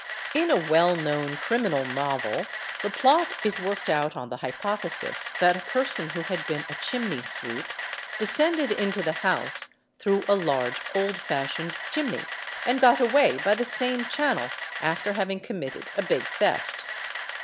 In a well _ known criminal novel the plot is worked out on the hypothesis that a 4 person who had been a chimney sweep descended into the house through a large old fashioned chimney, and got away by the same channel after having committed a big theft.